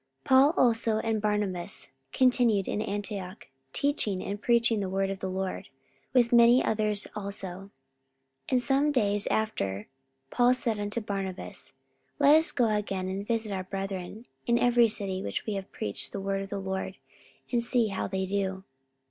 44:015:035 Paul also and Barnabas continued in Antioch, teaching and preaching the word of the Lord, with many others also. 44:015:036 And some days after Paul said unto Barnabas, Let us go again and visit our brethren in every city where we have preached the word of the LORD, and see how they do.